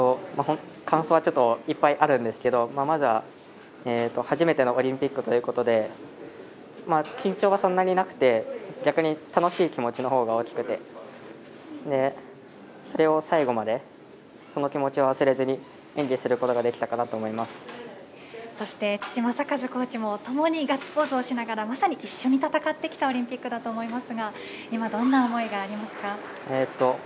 感想はいっぱいあるんですけど初めてのオリンピックということで緊張はそんなになくて、逆に楽しい気持ちの方が大きくてそれを最後までその気持ちを忘れずに演技することがお父さんの正和コーチもともにガッツポーズをしながらまさに一緒に戦ってきたオリンピックだと思いますが今どんな思いがありますか。